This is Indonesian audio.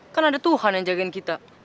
kan ada tuhan yang jagain kita